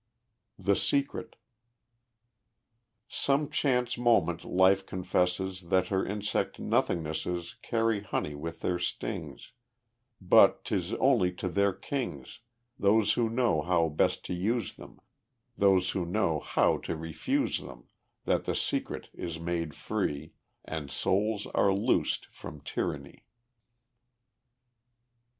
The Secret Some chance moment life confesses That her insect nothingnesses Carry honey with their stings, But 'tis only to their kings Those who know how best to use them, Those who know how to refuse them That the secret is made free, And souls are loosed from tyranny.